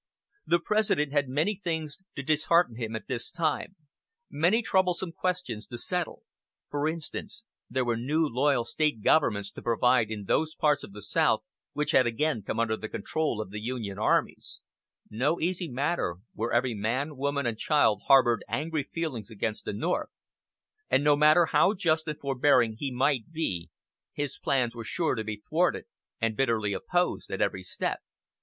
The President had many things to dishearten him at this time, many troublesome questions to settle. For instance, there were new loyal State governments to provide in those parts of the South which had again come under control of the Union armies no easy matter, where every man, woman and child harbored angry feelings against the North, and no matter how just and forbearing he might be, his plans were sure to be thwarted and bitterly opposed at every step.